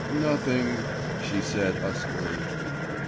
"Nothing," she said huskily.